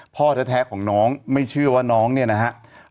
พ่อแท้ของน้องไม่เชื่อว่าน้องเนี่ยนะครับ